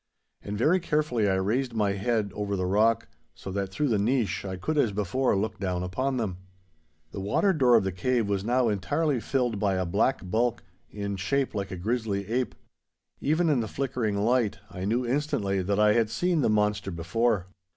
And very carefully I raised my head over the rock, so that through the niche I could as before look down upon them. The water door of the cave was now entirely filled by a black bulk, in shape like a grizzly ape. Even in the flickering light I knew instantly that I had seen the monster before.